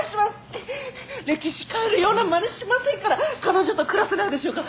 歴史変えるようなまねしませんから彼女と暮らせないでしょうか